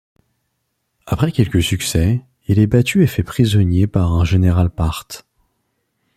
Après quelques succès, il est battu et fait prisonnier par un général parthe.